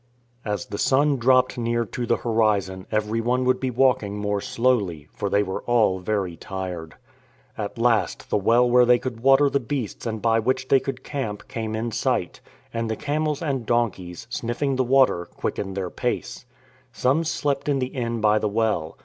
As the sun dropped near to the horizon everyone would be walking more slowly, for they were all very tired. At last the well where they could water the beasts and by which they could camp came in sight, and the camels and donkeys, sniffing the water, quick ened their pace. Some slept in the inn by the well.